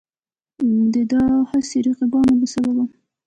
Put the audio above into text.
د دا هسې رقیبانو له سببه